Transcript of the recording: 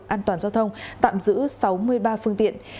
an toàn giao thông tạm giữ sáu mươi ba phương tiện